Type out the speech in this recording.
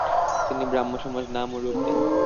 তিনি ব্রাহ্মসমাজ নাম ও রূপ দেন।